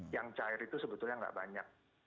yang cair itu sebetulnya nggak banyak